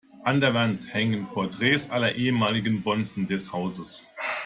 An der Wand hängen Porträts aller ehemaligen Bonzen des Hauses.